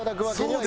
はい。